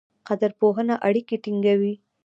قدرپوهنه اړیکې ټینګوي.